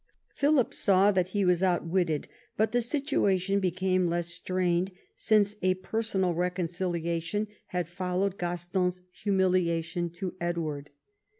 Philip saw that he was outwitted, but the situation became less strained since a personal reconciliation had followed Gaston's humiliation to Edward.